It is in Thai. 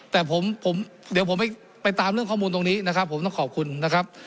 แต่ผมผมเดี๋ยวผมไปตามเรื่องข้อมูลตรงนี้นะครับผมต้องขอบคุณนะครับ